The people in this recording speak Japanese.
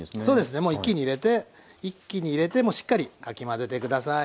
もう一気に入れて一気に入れてもしっかりかき混ぜて下さい。